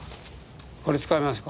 これ使いますか？